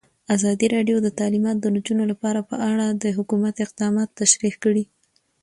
ازادي راډیو د تعلیمات د نجونو لپاره په اړه د حکومت اقدامات تشریح کړي.